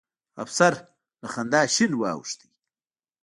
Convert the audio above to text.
افسر له خندا شين واوښت.